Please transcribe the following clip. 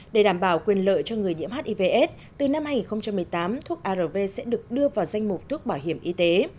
để đảm bảo quyền lợi cho người nhiễm hivs từ năm hai nghìn một mươi tám thuốc arv sẽ được đưa vào danh mục thuốc bảo hiểm y tế